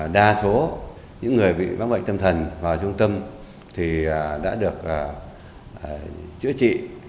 đa số những người bị mắc bệnh tâm thần vào trung tâm thì đã được chữa trị